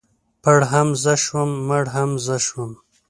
پړ هم زه شوم مړ هم زه شوم.